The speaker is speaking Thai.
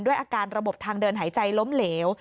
อาการระบบทางเดินหายใจล้มเหลว